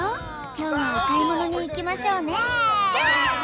今日はお買い物に行きましょうねキャン！